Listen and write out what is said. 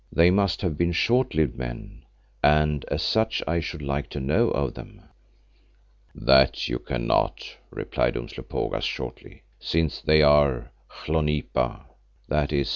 They must have been short lived men and as such I should like to know of them." "That you cannot," replied Umslopogaas shortly, "since they are hlonipa (i.e.